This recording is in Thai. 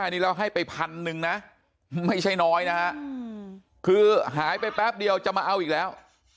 นี่เราให้ไปพันหนึ่งนะไม่ใช่น้อยนะฮะคือหายไปแป๊บเดียวจะมาเอาอีกแล้ว